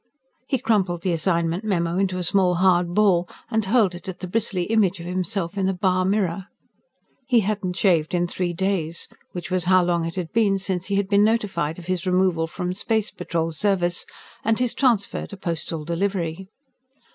He crumpled the assignment memo into a small, hard ball and hurled it at the bristly image of himself in the bar mirror. He hadn't shaved in three days which was how long it had been since he had been notified of his removal from Space Patrol Service and his transfer to Postal Delivery.